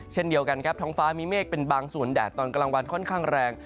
เช่นเดียวกันครับท้องฟ้ามีเมฆเป็นบางส่วนแดดตอนกลางวันค่อนข้างแรง